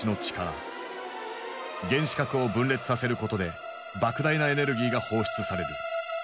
原子核を分裂させることでばく大なエネルギーが放出される。